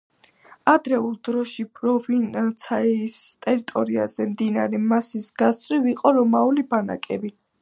ადრეულ დროში პროვინციის ტერიტორიაზე მდინარე მაასის გასწვრივ იყო რომაული ბანაკები.